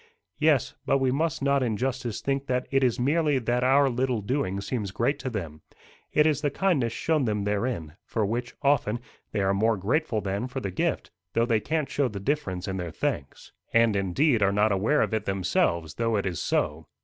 "Yes; but we must not in justice think that it is merely that our little doing seems great to them: it is the kindness shown them therein, for which, often, they are more grateful than for the gift, though they can't show the difference in their thanks." "And, indeed, are not aware of it themselves, though it is so.